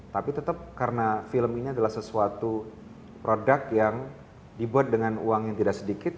tapi tetap karena film ini adalah sesuatu produk yang dibuat dengan uang yang tidak sedikit